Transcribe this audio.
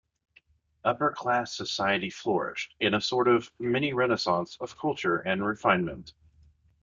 Upper class society flourished in a sort of mini-Renaissance of culture and refinement.